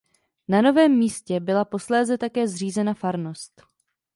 Na novém místě byla posléze také zřízena farnost.